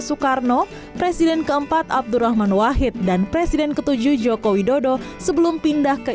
soekarno presiden keempat abdurrahman wahid dan presiden ke tujuh joko widodo sebelum pindah ke